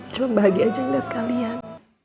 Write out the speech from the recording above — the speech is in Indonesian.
cuma bahagia aja ngeliat kalian